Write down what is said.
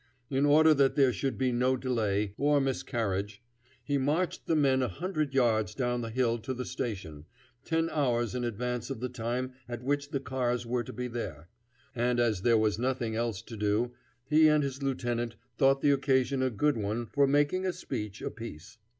In order that there should be no delay or miscarriage, he marched the men a hundred yards down the hill to the station, ten hours in advance of the time at which the cars were to be there; and as there was nothing else to do, he and his lieutenant thought the occasion a good one for the making of a speech apiece.